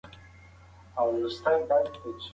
هغه کسان چې د روبوټیک په سیالیو کې ګټونکي شول هڅول شول.